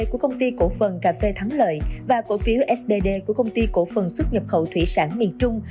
cổ phần cà phê thắng lợi và cổ phiếu sbd của công ty cổ phần xuất nhập khẩu thủy sản miền trung